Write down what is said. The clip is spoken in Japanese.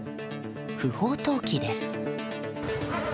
不法投棄です。